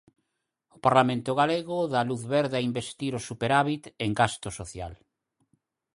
O Parlamento galego dá luz verde a investir o superávit en gasto social.